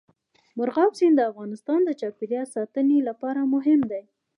مورغاب سیند د افغانستان د چاپیریال ساتنې لپاره مهم دی.